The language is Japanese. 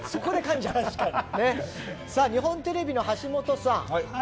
日本テレビの橋本さん。